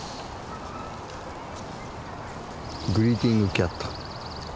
グリーティングキャット。